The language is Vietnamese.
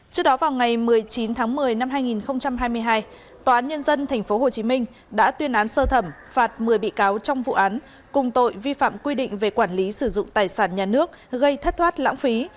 trước đó vào ngày một mươi chín tháng một mươi năm hai nghìn hai mươi hai tòa án nhân dân tp hcm đã tuyên án sơ thẩm phạt một mươi bị cáo trong vụ án cùng tội vi phạm quy định về quản lý sử dụng tài sản nhà nước gây thất thoát lãng phí